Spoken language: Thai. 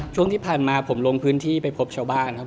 ช่วงที่ผ่านมาผมลงพื้นที่ไปพบชาวบ้านครับ